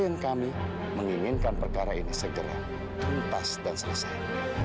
karena klien kami menginginkan perkara ini segera kumpas dan selesai